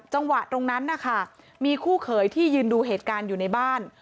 จังหวะตรงนั้นนะคะมีคู่เขยที่ยืนดูเหตุการณ์อยู่ในบ้าน